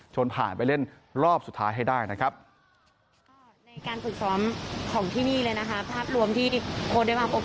ผ่านไปเล่นรอบสุดท้ายให้ได้นะครับ